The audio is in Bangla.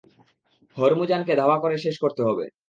হরমুজানকে ধাওয়া করে শেষ করতে হবে।